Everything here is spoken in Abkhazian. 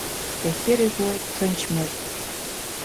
Кьахьыр игәы ҭынчмызт.